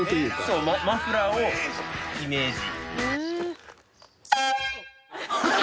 そうマフラーをイメージ。